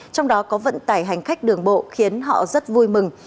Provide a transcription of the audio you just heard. trong đó có vận tải hành khách đường bộ khiến họ rất vui mừng